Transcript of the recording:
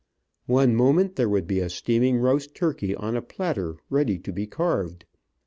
One moment there would be a steaming roast turkey, on a platter, ready to be carved.